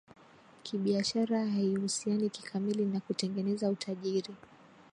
kibiashara Haihusiani kikamili na kutengeneza utajiri